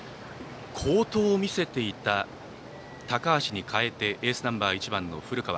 好投を見せていた高橋に代えてエースナンバー１番の古川。